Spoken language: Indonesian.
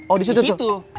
oh disitu tuh